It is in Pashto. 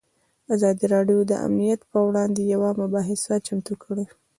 ازادي راډیو د امنیت پر وړاندې یوه مباحثه چمتو کړې.